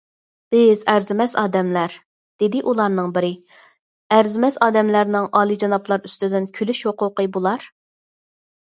_ بىز ئەرزىمەس ئادەملەر، _ دېدى ئۇلارنىڭ بىرى، _ ئەرزىمەس ئادەملەرنىڭ ئالىيجانابلار ئۈستىدىن كۈلۈش ھوقۇقى بولار!؟